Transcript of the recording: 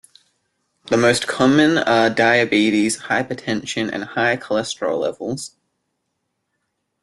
The most common are diabetes, hypertension and high cholesterol levels.